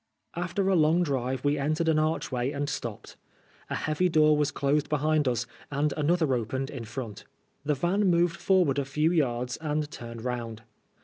After a long drive we entered an archway and stopped. A heavy door was closed behind us, and another opened in front. The van moved forward a few yards and turned round.